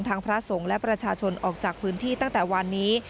พระสงฆ์และประชาชนออกจากพื้นที่ตั้งแต่วันนี้